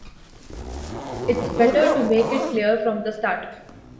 It's better to make it clear from the start.